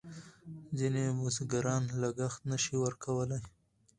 ځینې بزګران لګښت نه شي ورکولای.